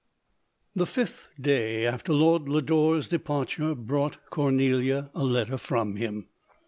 The fifth day after Lord Lodore's departure brought Cornelia a letter from him.